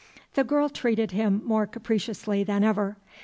The girl treated him more capriciously than ever.